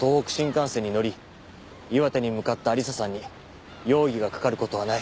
岩手に向かった亜理紗さんに容疑がかかる事はない。